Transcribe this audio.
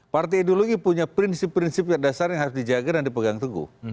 partai ideologi punya prinsip prinsip dasar yang harus dijaga dan dipegang teguh